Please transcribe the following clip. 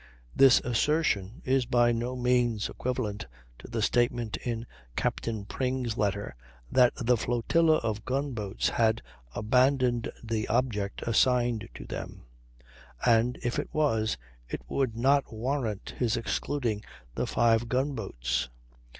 This assertion is by no means equivalent to the statement in Captain Pring's letter "that the flotilla of gun boats had abandoned the object assigned to them," and, if it was, it would not warrant his excluding the five gun boats.